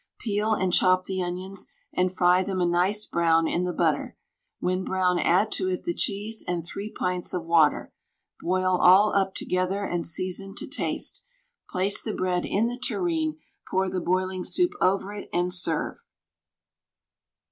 Peel and chop the onions, and fry them a nice brown in the butter. When brown add to it the cheese and 3 pints of water. Boil all up together and season to taste. Place the bread in the tureen, pour the boiling soup over it, and serve.